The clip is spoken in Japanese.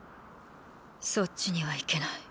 そっちには行けない。